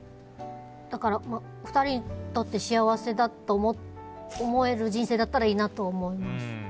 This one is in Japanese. だから、２人にとって幸せだと思える人生だったらいいなと思います。